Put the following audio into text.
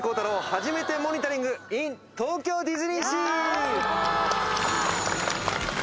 はじめてモニタリングイン東京ディズニーシーやった！